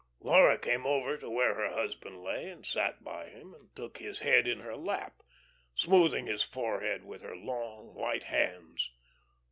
Laura came over to where her husband lay, and sat by him, and took his head in her lap, smoothing his forehead with her long white hands.